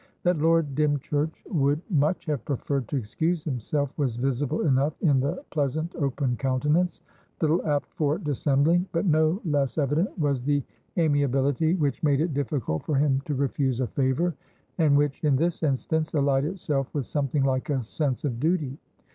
That Lord Dymchurch would much have preferred to excuse himself was visible enough in the pleasant, open countenance, little apt for dissembling; but no less evident was the amiability which made it difficult for him to refuse a favour, and which, in this instance, allied itself with something like a sense of duty.